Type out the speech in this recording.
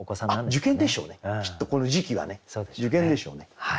受験でしょうねきっとこの時期はね受験でしょうね。